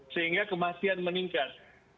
sehingga kematian meningkat